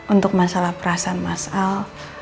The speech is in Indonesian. untuk masalah perasaan mas al